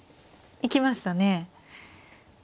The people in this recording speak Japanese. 生きましたね。